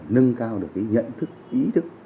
nâng cao được cái nhận thức ý thức